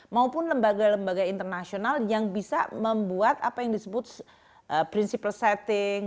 maupun lembaga lembaga internasional yang bisa membuat apa yang disebut principle setting